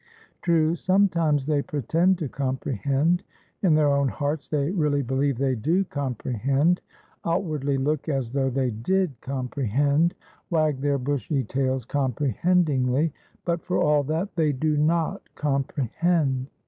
True, sometimes they pretend to comprehend; in their own hearts they really believe they do comprehend; outwardly look as though they did comprehend; wag their bushy tails comprehendingly; but for all that, they do not comprehend.